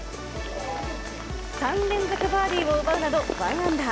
３連続バーディーを奪うなど、１アンダー。